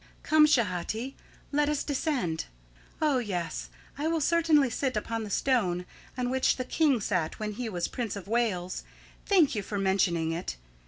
Come, Schehati, let us descend. Oh, yes, I will certainly sit upon the stone on which the King sat when he was Prince of Wales. Thank you for mentioning it.